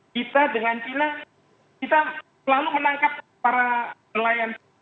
kita dengan china kita selalu menangkap para nelayan